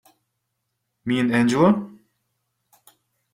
Me and Angela?